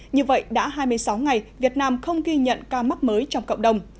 như vậy đã hai mươi sáu ngày việt nam không ghi nhận ca mắc mới trong cộng đồng